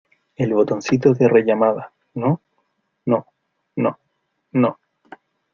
el botoncito de rellamada, ¿ no? no , no , no...